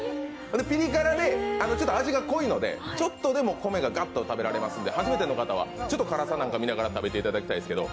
ピリ辛で味が濃いのでちょっとでも米がガッと食べられますので、初めての方はちょっと辛さなんか見ながら食べていただきたいです。